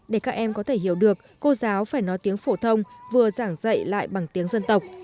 để các em có thể hiểu được cô giáo phải nói tiếng phổ thông vừa giảng dạy lại bằng tiếng dân tộc